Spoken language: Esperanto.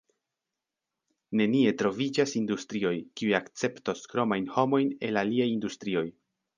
Nenie troviĝas industrioj, kiuj akceptos kromajn homojn el aliaj industrioj.